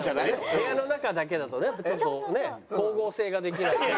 部屋の中だけだとねやっぱちょっとね光合成ができないから。